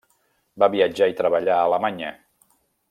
Va viatjar i treballar a Alemanya.